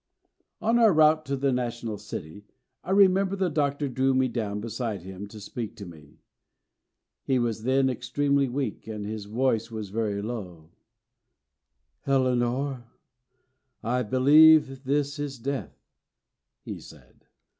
On our route to the national city, I remember the Doctor drew me down beside him to speak to me. He was then extremely weak and his voice was very low: "Eleanor, I believe this is death," he said.